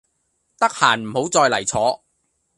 得閒唔好再嚟坐